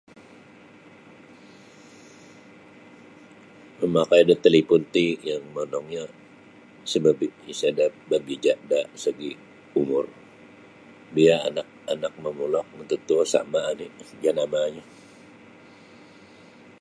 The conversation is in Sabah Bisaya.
Mamakai da talipun ti yang monongnyo isa-isada berbeza da segi umur bio anak-anak mamulok matatuo sama oni janamanya.